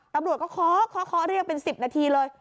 ตำรวจก็เคาะเรียกประมาณ๑๐๒นาทีเลย